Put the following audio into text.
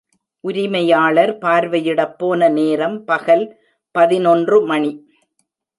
உரிமையாளர் பார்வையிடப் போன நேரம் பகல் பதினொன்று மணி.